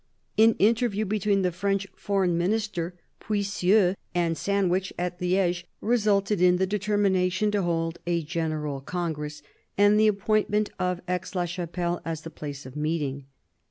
An interview between the French foreign minister Puysieux and Sandwich at Liege resulted in the determination to hold a general congress, and the appointment of Aix la Chapelle as the place of meeting.